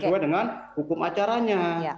sesuai dengan hukum acaranya